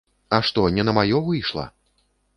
А што, не на маё выйшла?